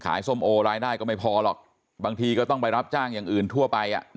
ส้มโอรายได้ก็ไม่พอหรอกบางทีก็ต้องไปรับจ้างอย่างอื่นทั่วไป